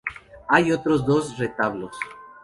Hay otros dos retablos.